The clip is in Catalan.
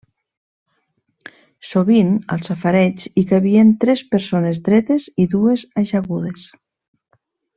Sovint, al safareig hi cabien tres persones dretes i dues ajagudes.